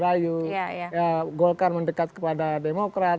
sedang dirayu rayu golkar mendekat kepada demokrat